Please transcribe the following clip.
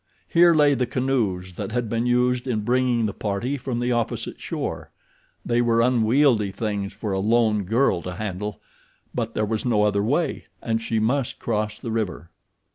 Here lay the canoes that had been used in bringing the party from the opposite shore. They were unwieldy things for a lone girl to handle, but there was no other way and she must cross the river.